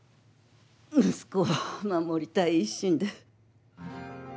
息子を守りたい一心で。